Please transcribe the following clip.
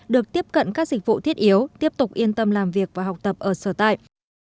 được tiếp cận các dịch vụ thiết yếu tiếp tục yên tâm làm việc và học tập ở sở tại